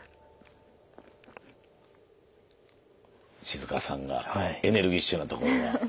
静河さんがエネルギッシュなところが。